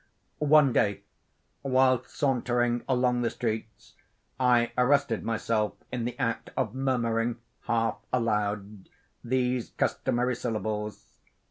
One day, whilst sauntering along the streets, I arrested myself in the act of murmuring, half aloud, these customary syllables.